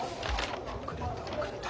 遅れた遅れた。